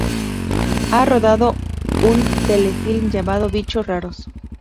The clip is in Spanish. Ha rodado un telefilme llamado "Bichos raros".